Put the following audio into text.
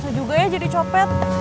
susah juga ya jadi copet